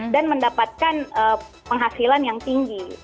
dan mendapatkan penghasilan yang tinggi